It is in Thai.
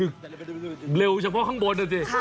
คือเร็วเฉพาะข้างบนนะเจ๊